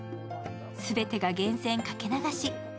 すべてが源泉かけ流し。